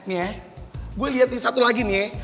nih ya gue liat nih satu lagi nih ya